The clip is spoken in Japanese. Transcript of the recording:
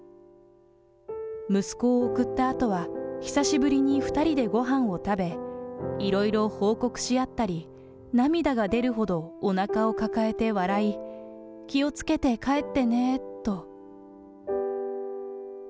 息子を送ったあとは、久しぶりに２人でごはんを食べ、いろいろ報告し合ったり、涙が出るほどおなかを抱えて笑い、気をつけて帰ってねーと。